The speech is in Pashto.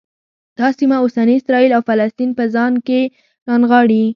دا سیمه اوسني اسرایل او فلسطین په ځان کې رانغاړي.